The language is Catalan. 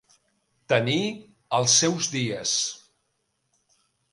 Tenir els seus dies.